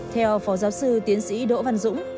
theo phó giáo sư tiến sĩ đỗ văn dũng